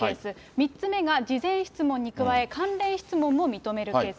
３つ目が事前質問に加え、関連質問も認めるケース。